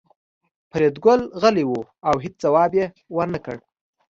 فریدګل غلی و او هېڅ ځواب یې ورنکړ